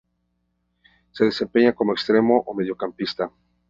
Se desempeña como extremo o mediocampista.